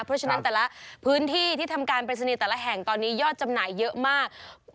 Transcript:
เพราะฉะนั้นแต่ละพื้นที่ที่ทำการปริศนีย์แต่ละแห่งตอนนี้ยอดจำหน่ายเยอะมาก